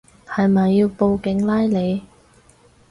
係咪要報警拉你